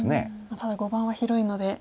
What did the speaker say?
ただ碁盤は広いので。